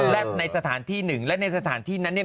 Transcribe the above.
และในสถานที่หนึ่งและในสถานที่นั้นเนี่ย